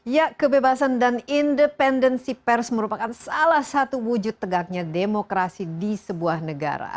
ya kebebasan dan independensi pers merupakan salah satu wujud tegaknya demokrasi di sebuah negara